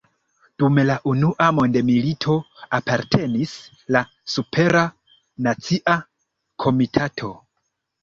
Dum la unua mondmilito apartenis al Supera Nacia Komitato.